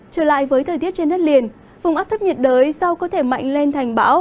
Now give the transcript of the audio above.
trở lại với thời tiết trên đất liền vùng áp thấp nhiệt đới sau có thể mạnh lên thành bão